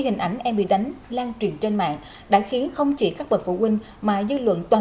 hình ảnh em bị đánh lan truyền trên mạng đã khiến không chỉ các bậc phụ huynh mà dư luận toàn